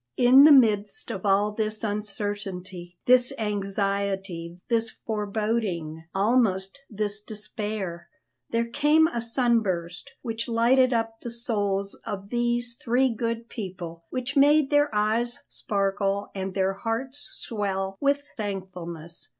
In the midst of all this uncertainty, this anxiety, this foreboding, almost this despair, there came a sunburst which lighted up the souls of these three good people, which made their eyes sparkle and their hearts swell with thankfulness.